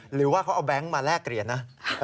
หรือว่าเขาเอาแบงค์มาแลกเหรียญนะ